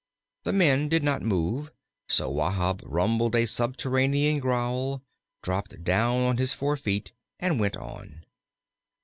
The men did not move, so Wahb rumbled a subterranean growl, dropped down on his four feet, and went on.